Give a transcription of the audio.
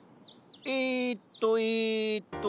えっとえっと。